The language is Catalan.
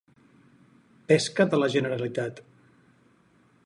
Pesca de la Generalitat.